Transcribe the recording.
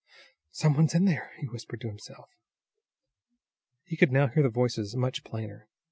"Some one's in there!" he whispered to himself. He could now hear the voices much plainer.